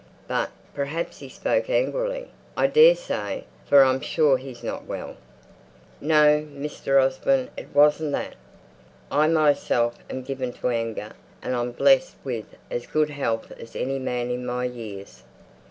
"But, perhaps, he spoke angrily, I daresay; for I'm sure he's not well." "No, Mr. Osborne, it wasn't that. I myself am given to anger; and I'm blessed with as good health as any man in my years.